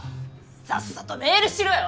さっさとメールしろよ！